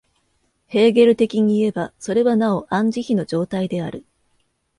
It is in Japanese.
ヘーゲル的にいえば、それはなおアン・ジヒの状態である。